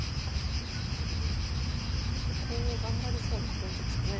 ちょっとコウを頑張りそうな雰囲気ですかね。